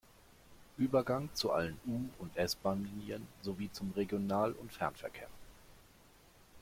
Übergang zu allen U- und S-Bahnlinien sowie zum Regional- und Fernverkehr.